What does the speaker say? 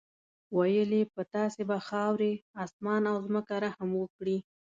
ویل یې په تاسې به خاورې، اسمان او ځمکه رحم وکړي.